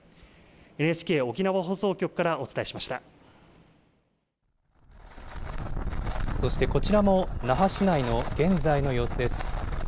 ＮＨＫ沖縄放送局からお伝えしまそしてこちらも那覇市内の現在の様子です。